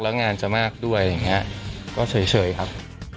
แล้วงานจะมากด้วยอะไรอย่างนี้ก็เฉยครับ